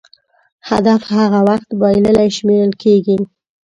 هدف هغه وخت بایللی شمېرل کېږي.